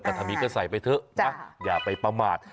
กระทำิกก็ใส่ไปเถอะอย่าไปประมาท